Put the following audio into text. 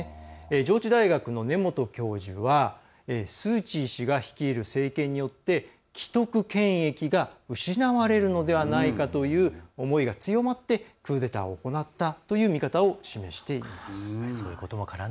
上智大学の根本教授はスー・チー氏が率いる政権によって既得権益が失われるのではないかという思いが強まってクーデターを行ったという見方を示しています。